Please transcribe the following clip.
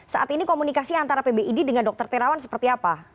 saat ini komunikasi antara pbid dengan dr terawan seperti apa